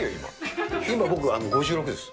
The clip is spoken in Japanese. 今、僕、５６です。